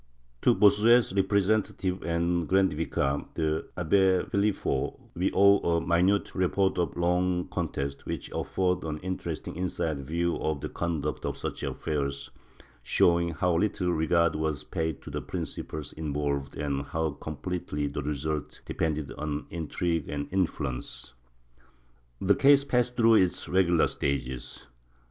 To Bossuet's representative and grand vicar, the Abbe Phelip peaux, we owe a minute report of the long contest, which affords an interesting inside view of the conduct of such affairs, showing how little regard was paid to the principles involved and how completely the result depended on intrigue and influence. The case passed through its regular stages.